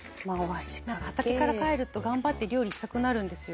「畑から帰ると頑張って料理したくなるんですよ」